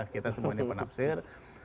kita semua ini penafsir